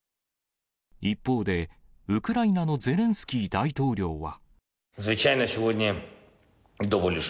一方で、ウクライナのゼレンスキー大統領は。